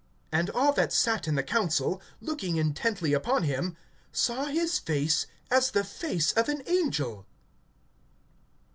(15)And all that sat in the council, looking intently upon him, saw his face as the face of an angel.